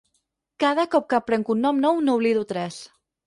Cada cop que aprenc un nom nou n'oblido tres.